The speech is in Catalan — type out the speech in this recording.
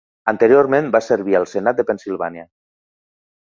Anteriorment va servir al senat de Pennsilvània.